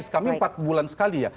kami empat bulan sekali ya